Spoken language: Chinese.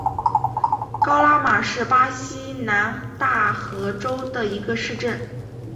高拉马是巴西南大河州的一个市镇。